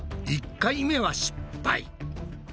１回目は失敗。